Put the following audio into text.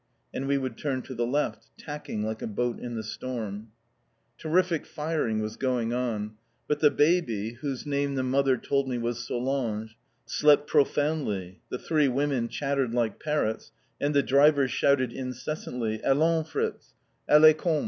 And we would turn to the left, tacking like a boat in the storm. Terrific firing was going on. But the baby, whose name the mother told me was Solange, slept profoundly, the three women chattered like parrots, and the driver shouted incessantly, "Allons, Fritz, allez Komm!"